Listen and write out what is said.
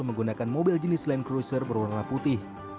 menggunakan mobil jenis land cruiser berwarna putih